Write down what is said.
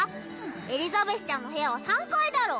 エリザベスちゃんの部屋は３階だろ。